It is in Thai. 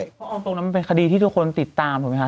เพราะตรงนั้นมันเป็นคดีที่ทุกคนติดตามถูกไหมค